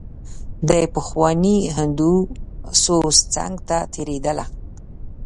د پخواني هندو سوز څنګ ته تېرېدله.